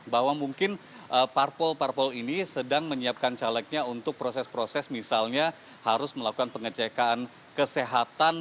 bahwa mungkin parpol parpol ini sedang menyiapkan calegnya untuk proses proses misalnya harus melakukan pengecekan kesehatan